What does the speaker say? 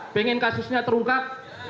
pengen kasusnya terungkap